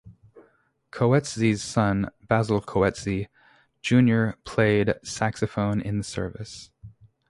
Coetzee's son, Basil Coetzee, Junior played saxophone in the service.